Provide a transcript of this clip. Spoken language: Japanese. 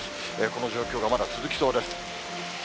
この状況がまだ続きそうです。